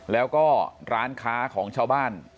แล้วก็ร้านค้าของชาวบ้าน